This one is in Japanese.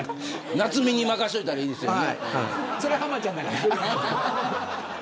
菜摘に任せといたらいいんですよね。